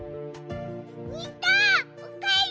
にいたんおかえり！